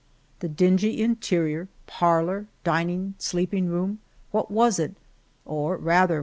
The dingy interior — parlor, dining, sleeping room. What was it? or, rather.